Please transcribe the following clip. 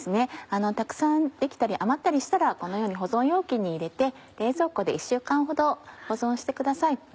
たくさん出来たり余ったりしたらこのように保存容器に入れて冷蔵庫で１週間ほど保存してください。